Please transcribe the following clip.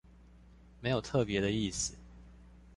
沒有特別的意思